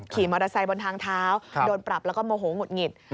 ขี่มอเตอร์ไซค์บนทางเท้าโดนปรับแล้วก็โมโหหงุดหงิด